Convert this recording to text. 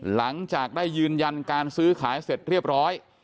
หลังจากได้ยืนยันการซื้อขายเสร็จเรียบร้อย